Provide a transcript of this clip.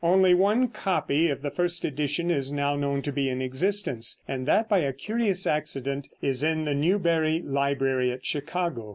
Only one copy of the first edition is now known to be in existence, and that, by a curious accident, is in the Newberry Library at Chicago.